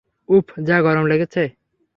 উফ, যা গরম লাগছে!